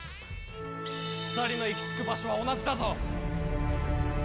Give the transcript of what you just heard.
２人の行きつく場所は同じだぞ。